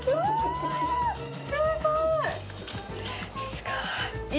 すごーい！